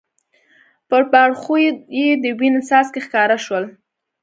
پر باړخو یې د وینې څاڅکي ښکاره شول.